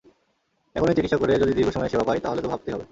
এখনই চিকিৎসা করে যদি দীর্ঘ সময়ে সেবা পাই, তাহলে তো ভাবতেই হবে।